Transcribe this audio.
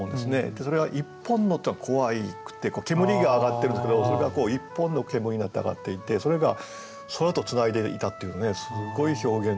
それが「一本の」って煙が上がってるんですけどそれが一本の煙になって上がっていてそれが空と繋いでいたっていうすごい表現でですね